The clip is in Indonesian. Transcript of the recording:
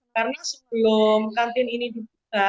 karena sebelum kantin ini dibuka